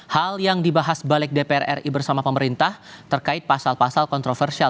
hal yang dibahas balik dpr ri bersama pemerintah terkait pasal pasal kontroversial